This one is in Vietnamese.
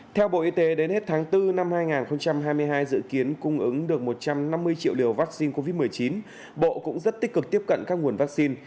theo bộ y tế đến hết tháng bốn năm hai nghìn hai mươi hai dự kiến cung ứng được một trăm năm mươi triệu liều vaccine covid một mươi chín bộ cũng rất tích cực tiếp cận các nguồn vaccine